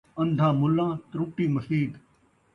اندھا ملاں، ترٹی مسیت